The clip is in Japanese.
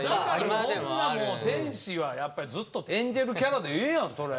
だからそんなもう天使はやっぱりずっとエンジェルキャラでええやんそれ。